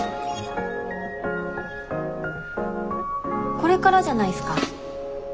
これからじゃないっすか。